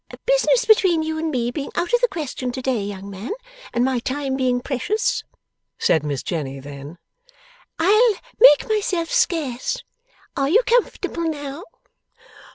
'Business between you and me being out of the question to day, young man, and my time being precious,' said Miss Jenny then, 'I'll make myself scarce. Are you comfortable now?